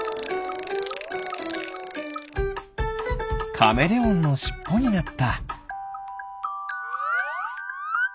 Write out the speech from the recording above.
カメレオンのしっぽになった。